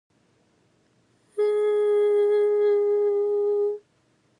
Unlike the other parks, There is no Pirates of the Caribbean at this location.